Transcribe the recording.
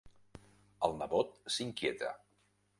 El nebot s'inquieta.